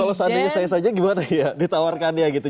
kalau seandainya saya saja gimana ya ditawarkan dia gitu